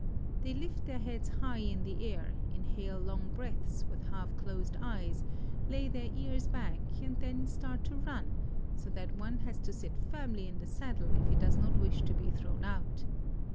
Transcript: They lift their heads high in the air, inhale long breaths with half closed eyes, lay their ears back and then start to run, so that one has to sit firmly in the saddle if he does not wish to be thrown out.